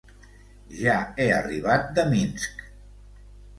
Ja he arribat de Minsk.